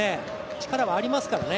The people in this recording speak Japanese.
力はありますからね。